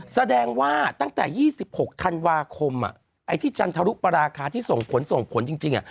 แสดงว่าตั้งแต่๒๖ธันวาคมไอ้ที่จันทรุปราคาที่ส่งผลส่งผลจริง